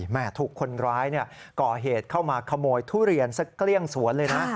ถูกคนร้ายก่อเหตุเข้ามาขโมยทุเรียนสักเกลี้ยงสวนเลยนะ